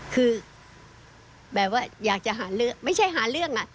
คือแบบว่าอยากจะหาเรื่องไม่ใช่หาเรื่อง